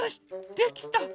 できた！